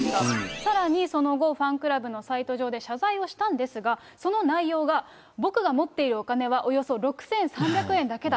さらに、その後、ファンクラブのサイト上で、謝罪をしたんですが、その内容が、僕が持っているお金は、およそ６３００円だけだ。